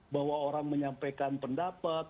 bahwa orang menyampaikan pendapat